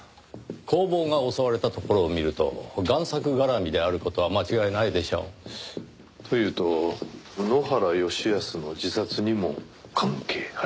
工房が襲われたところを見ると贋作絡みである事は間違いないでしょう。というと埜原義恭の自殺にも関係あり？